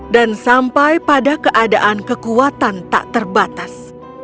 dan sampai pada keadaan kekuatan tak terbatas